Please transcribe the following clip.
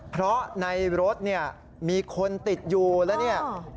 เพราะในรถเนี่ยมีคนติดอยู่แล้วเนี่ย